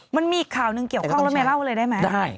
มันมีอีกข่าวหนึ่งเกี่ยวข้องต้องใช้